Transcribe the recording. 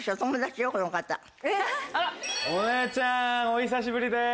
お姉ちゃんお久しぶりです！